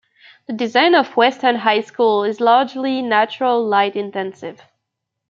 The design of Weston High School is largely natural-light intensive.